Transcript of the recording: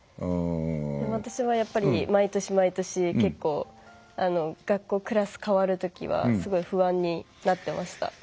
私はやっぱり毎年毎年結構学校、クラス変わるときはすごい不安になってました。